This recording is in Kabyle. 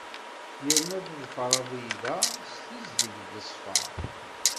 Yerna teḍfer abrid-a s tezdeg d ssfa.